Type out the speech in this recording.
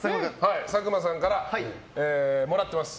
佐久間さんからもらってます